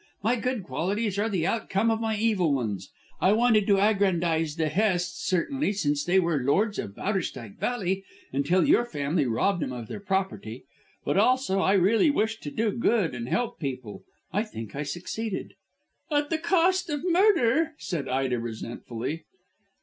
My good qualities are the outcome of my evil ones. I wanted to aggrandize the Hests, certainly, since they were lords of Bowderstyke Valley, until your family robbed them of their property. But also I really wished to do good and help people. I think I succeeded." "At the cost of murder," said Ida resentfully.